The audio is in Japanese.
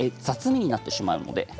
雑味になってしまいます。